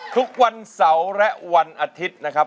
ทุกวันเสาร์และวันอาทิตย์นะครับ